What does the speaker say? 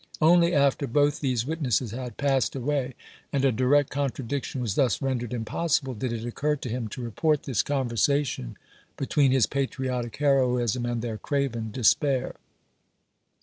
Only after both these witnesses had passed away, and a direct contradiction was thus rendered impossible, did it occur to him to report this conversation between his patriotic heroism and their craven de spair